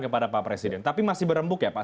kepada pak presiden tapi masih berembuk ya pak